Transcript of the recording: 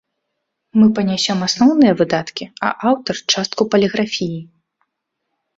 Мы панясём асноўныя выдаткі, а аўтар частку паліграфіі.